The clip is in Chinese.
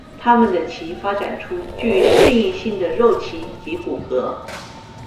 它们的鳍发展出具适应性的肉鳍及骨骼。